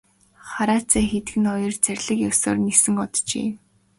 Хараацай хэдгэнэ хоёр зарлиг ёсоор нисэн оджээ.